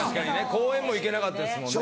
公園も行けなかったですもんね。